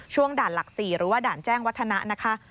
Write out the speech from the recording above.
ด่านหลัก๔หรือว่าด่านแจ้งวัฒนะนะคะ